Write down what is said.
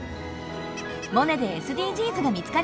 「モネ」でＳＤＧｓが見つかりましたね！